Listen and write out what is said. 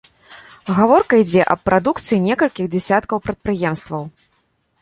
Гаворка ідзе аб прадукцыі некалькіх дзясяткаў прадпрыемстваў.